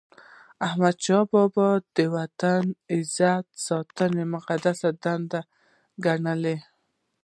احمدشاه بابا د وطن د عزت ساتنه مقدسه دنده ګڼله.